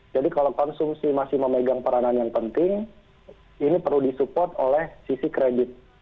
jadi kalau konsumsi masih memegang peranan yang penting ini perlu disupport oleh sisi kredit